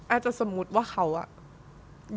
อาจจะสมมุติว่าเขาอะ